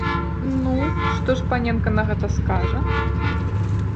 Ну, што ж паненка на гэта скажа?